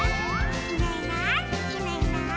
「いないいないいないいない」